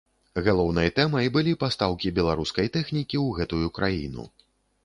Галоўнай тэмай былі пастаўкі беларускай тэхнікі ў гэтую краіну.